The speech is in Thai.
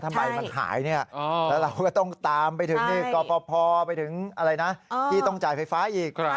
ถ่ายนี้แล้วเราต้องตามกบพพอร์ไปถึงกี่ต้องจ่ายไฟฟ้าอีก